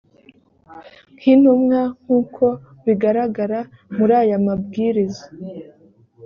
nk intumwa nk uko bigaragara muri aya mabwiriza